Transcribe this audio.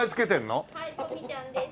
はいとみちゃんです。